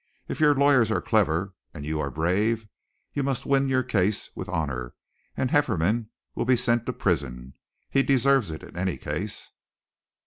If your lawyers are clever and you are brave, you must win your case with honor, and Hefferom will be sent to prison. He deserves it, in any case."